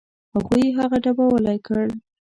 هغوی هغه ډبولی کړ.